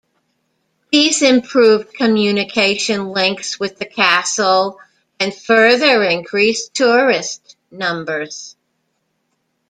These improved communication links with the castle and further increased tourist numbers.